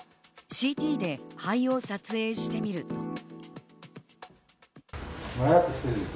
ＣＴで肺を撮影してみると。